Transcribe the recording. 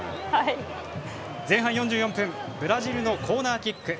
前半４４分ブラジルのコーナーキック。